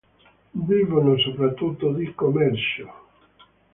Vivono soprattutto di commercio.